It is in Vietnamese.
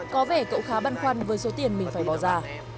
có vẻ cậu khá băn khoăn với số tiền mình phải bỏ ra